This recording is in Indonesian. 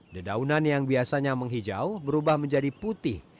dedaunan yang biasanya menghijau berubah menjadi putih